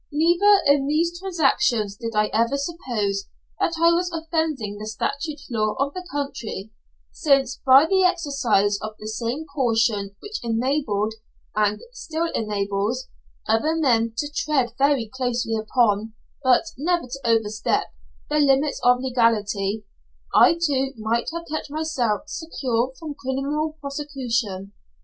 Neither in these transactions did I ever suppose that I was offending the statute law of the country, since by the exercise of the same caution which enabled, and still enables, other men to tread very closely upon, but never to overstep, the limits of legality, I too might have kept myself secure from criminal prosecution.